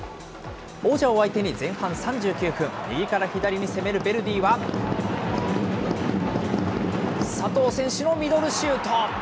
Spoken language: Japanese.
王者を相手に前半３９分、右から左に攻めるヴェルディは、佐藤選手のミドルシュート。